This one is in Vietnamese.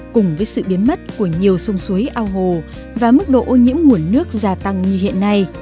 cùng với sự biến mất của nhiều sông suối ao hồ và mức độ ô nhiễm nguồn nước gia tăng như hiện nay